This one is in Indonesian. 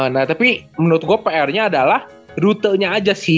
nah tapi menurut gue pr nya adalah rutenya aja sih